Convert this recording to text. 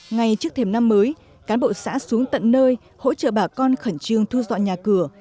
ngay trước thềm năm mới cán bộ xã xuống tận nơi hỗ trợ bà con khẩn trương thu dọn nhà cửa